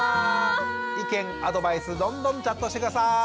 意見アドバイスどんどんチャットして下さい！